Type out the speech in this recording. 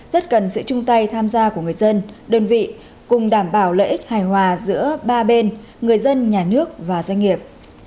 rất cần sự chung tay tham gia của người dân đơn vị cùng đảm bảo lợi ích hài hòa giữa ba bên người dân nhà nước và doanh nghiệp